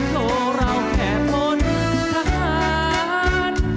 โปรเราแค่พลทหาร